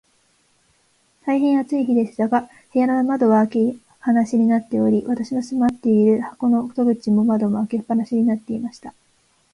大へん暑い日でしたが、部屋の窓は開け放しになっており、私の住まっている箱の戸口も窓も、開け放しになっていました。